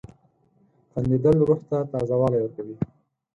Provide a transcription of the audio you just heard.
• خندېدل روح ته تازه والی ورکوي.